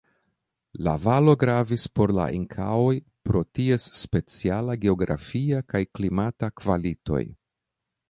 La valo gravis por la Inkaoj pro ties speciala geografia kaj klimata kvalitoj.